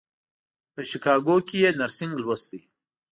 په شیکاګو کې یې نرسنګ لوستی.